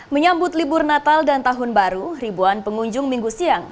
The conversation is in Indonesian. menyambut libur natal dan tahun baru ribuan pengunjung minggu siang